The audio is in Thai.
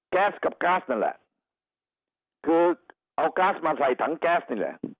แก๊สกับก๊าซนั่นแหละคือเอาก๊าซมาใส่ถังแก๊สนี่แหละ